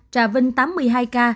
trà vinh tám mươi hai ca